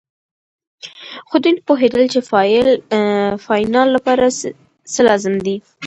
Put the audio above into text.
خو دوی نه پوهېدل چې د فاینل لپاره څه لازم دي.